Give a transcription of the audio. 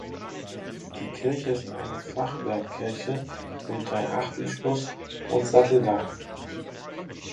Die Kirche ist eine Fachwerkkirche mit Dreiachtelschluss und Satteldach.